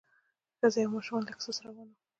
ښځې او ماشومان لږ سست روان وو.